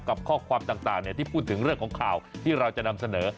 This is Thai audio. ข้อความต่างที่พูดถึงเรื่องของข่าวที่เราจะนำเสนอ